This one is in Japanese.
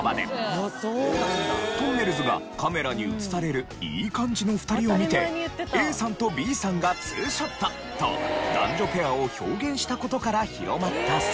とんねるずがカメラに映されるいい感じの２人を見て「ＡさんとＢさんがツーショット！」と男女ペアを表現した事から広まったそう。